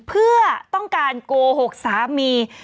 เพื่อต้องการโกหกสามี